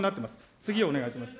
次お願いします。